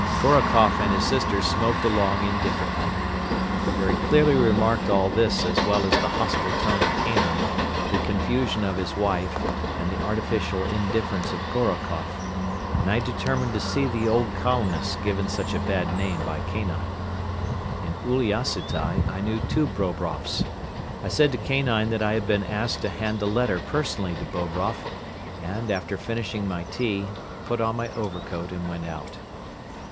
Gorokoff and his sister smoked along indifferently. I very clearly remarked all this as well as the hostile tone of Kanine, the confusion of his wife and the artificial indifference of Gorokoff; and I determined to see the old colonist given such a bad name by Kanine. In Uliassutai I knew two Bobroffs. I said to Kanine that I had been asked to hand a letter personally to Bobroff and, after finishing my tea, put on my overcoat and went out.